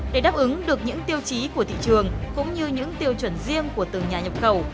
để đáp ứng được những tiêu chí của thị trường cũng như những tiêu chuẩn riêng của từng nhà nhập khẩu